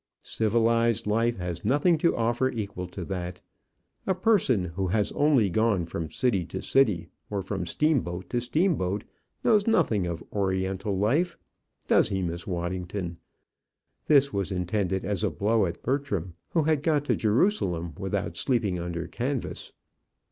Civilized life has nothing to offer equal to that. A person who has only gone from city to city, or from steamboat to steamboat, knows nothing of oriental life. Does he, Miss Waddington?" This was intended as a blow at Bertram, who had got to Jerusalem without sleeping under canvas.